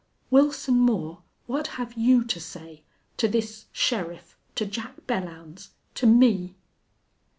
"Wilson Moore, what have you to say to this sheriff to Jack Belllounds to _me?